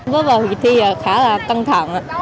với bầu kỳ thi khá là căng thẳng